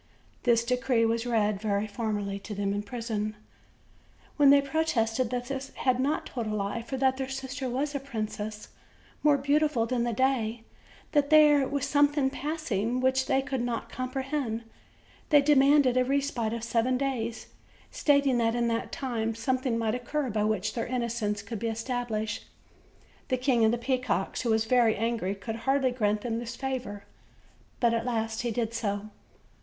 This decree was read very formally to them in prison, 184 OLD, OLD FAIRY TALES. when they protested that they had not told a lie, for that their sister was a princess more beautiful than the day; but that there was something passing which they could not comprehend. They demanded a respite of seven days, stating that in that time something might occur by which their innocence would be established. The King of the Peacocks, who was very angry, would hardly grant them this favor; but at last he did so.